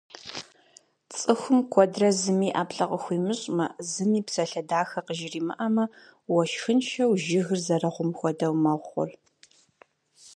Цӏыхум, куэдрэ зыми ӏэплӏэ къыхуимыщӏмэ, зыми псалъэ дахэ къыжримыӏэмэ, уэшхыншэу жыгыр зэрыгьум хуэдэу мэгъур.